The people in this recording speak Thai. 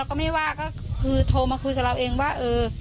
ก็คือโทรมาคุยกับเราเองว่า